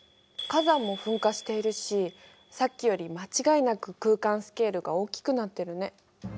火山も噴火しているしさっきより間違いなく空間スケールが大きくなってるね。